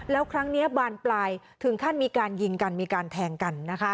แล้วครั้งนี้บานปลายถึงขั้นมีการยิงกันมีการแทงกัน